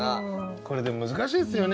これでも難しいですよね。